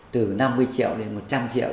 từ năm mươi triệu đến một trăm linh triệu